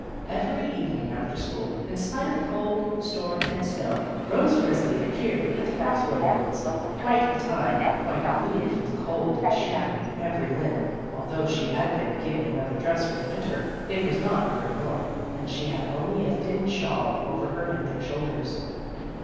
Every evening after school, in spite of cold, storm and snow, Rose Resli appeared at the Cross way woman's, many a time quite blue from the cold and shiver ing in every limb; although she had been given another dress for the Winter, it was not very warm, and she had only a thin shawl over her neck and shoulders.